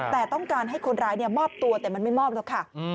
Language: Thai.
แต่ต้องการให้คนร้ายมอบตัวแต่มันไม่มอบหรอกค่ะ